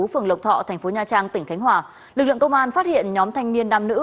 phường lộc thọ tp nha trang tỉnh thánh hòa lực lượng công an phát hiện nhóm thanh niên nam nữ